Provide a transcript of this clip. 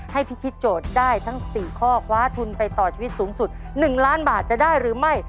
พิธีโจทย์ได้ทั้ง๔ข้อคว้าทุนไปต่อชีวิตสูงสุด๑ล้านบาทจะได้หรือไม่